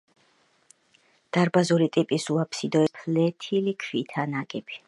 დარბაზული ტიპის უაბსიდო ეკლესია სხვადასხვა ზომის ფლეთილი ქვითაა ნაგები.